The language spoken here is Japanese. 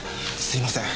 すいません